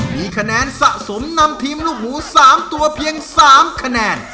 มีคะแนนสะสมนำทีมลูกหมู๓ตัวเพียง๓คะแนน